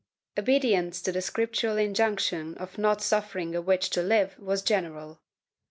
Obedience to the Scriptural injunction of not suffering a witch to live was general.